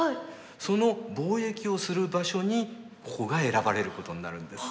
その貿易をする場所にここが選ばれることになるんです。